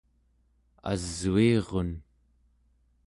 asuirun